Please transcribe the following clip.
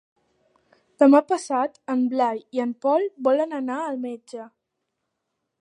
Demà passat en Blai i en Pol volen anar al metge.